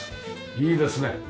いいですね。